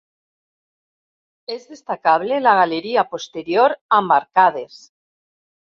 És destacable la galeria posterior amb arcades.